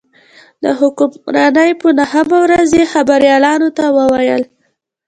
د حکمرانۍ په نهمه ورځ یې خبریالانو ته وویل.